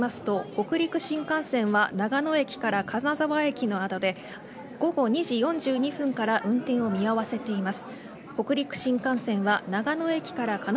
北陸新幹線は長野駅から金沢駅の間で午後２時４２分から運転を見合わせています。